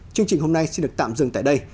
chương trình hôm nay xin được tạm dừng tại đây